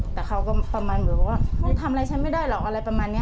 แต่เขาก็ประมาณเหมือนว่ามึงทำอะไรฉันไม่ได้หรอกอะไรประมาณนี้